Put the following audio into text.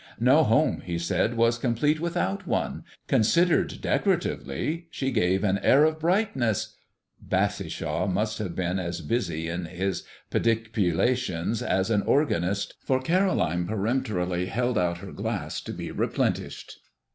No home, he said, was complete without one. Considered decoratively, she gave an air of brightness " Bassishaw must have been as busy in his pedipulations as an organist, for Caroline peremptorily held out her glass to be replenished.